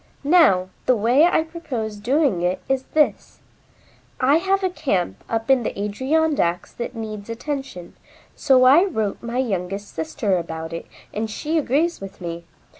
Now, the way I propose doing it is this: I have a camp up in the Adirondacks that needs attention, so I wrote my youngest sister about it and she agrees with me.